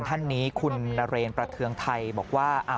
ท่านนี้คุณนเรนประเทืองไทยบอกว่า